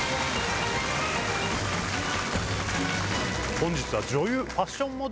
本日は。